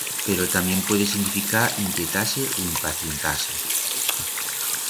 Pero tamién puede significar inquietar-se u impacientar-se.